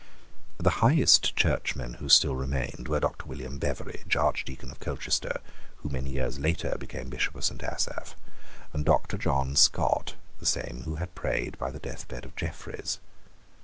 The highest churchmen who still remained were Doctor William Beveridge, Archdeacon of Colchester, who many years later became Bishop of Saint Asaph, and Doctor John Scott, the same who had prayed by the deathbed of Jeffreys.